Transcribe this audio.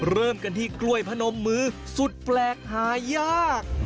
เริ่มกันที่กล้วยพนมมือสุดแปลกหายาก